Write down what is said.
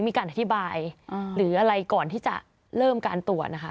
มีการอธิบายหรืออะไรก่อนที่จะเริ่มการตรวจนะคะ